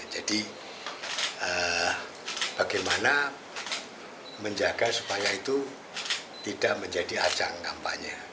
jadi bagaimana menjaga supaya itu tidak menjadi ajang kampanye